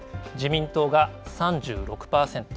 自民党が３６％。